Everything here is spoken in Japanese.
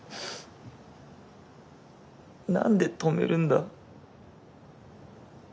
なんで止めるんだ？